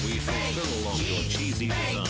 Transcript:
チーズ！